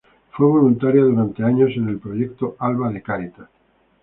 Fue voluntaria durante años en el proyecto Alba de Cáritas.